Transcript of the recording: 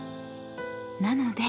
［なので］